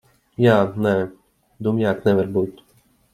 Jā, nē. Dumjāk nevar būt.